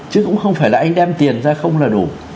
chứ cũng không phải là anh đem tiền ra không là đủ